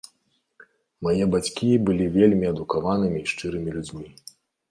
Мае бацькі былі вельмі адукаванымі і шчырымі людзьмі.